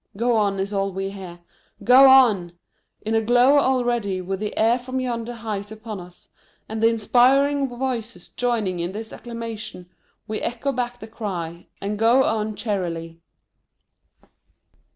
Go on, is all we hear, Go on ! In a glow already, with the air from yonder height upon us, and the inspiriting voices joining in this acclamation, we echo back the cry, and go on cheerily